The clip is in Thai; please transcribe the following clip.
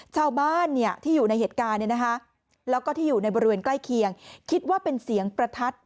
ชาวบ้านอยู่ในเฮตการณ์และอยู่ที่บริเวณใกล้เคียงคิดว่าเป็นเสียงประทัด